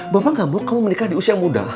bapak gak mau kamu menikah di usia muda